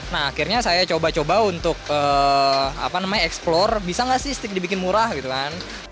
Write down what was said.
nah akhirnya saya coba coba untuk apa namanya explore bisa enggak sih steak dibikin murah gitu kan